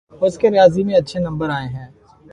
اس کے ریاضی میں اچھے نمبر آئے ہیں